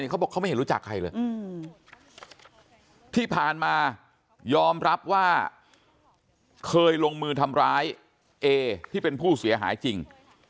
เขาบอกเขาไม่เห็นรู้จักใครเลยที่ผ่านมายอมรับว่าเคยลงมือทำร้ายเอที่เป็นผู้เสียหายจริง